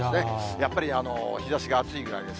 やっぱり日ざしが暑いぐらいです。